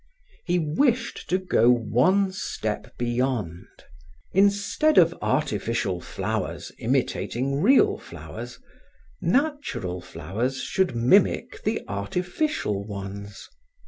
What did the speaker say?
He wished to go one step beyond. Instead of artificial flowers imitating real flowers, natural flowers should mimic the artificial ones.